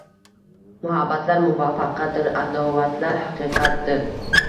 Muhabbatlar muvaqqatdir, adovatlar haqiqatdir